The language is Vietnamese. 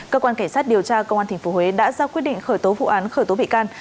cơ quan cảnh sát điều tra công an tp huế đã ra quyết định khởi tố vụ án khởi tố bị can